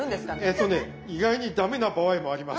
えとね意外に駄目な場合もあります。